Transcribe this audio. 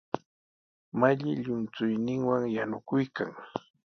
Malli llumchuyninwan yanukuykan.